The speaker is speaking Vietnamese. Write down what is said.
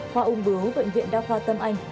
khoa ung bố bệnh viện đa khoa tâm anh